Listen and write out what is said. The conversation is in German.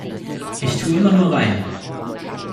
Ich tu' immer nur rein.